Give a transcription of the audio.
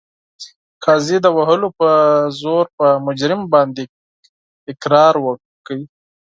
قاضي د وهلو په زور په مجرم باندې اقرار وکړ.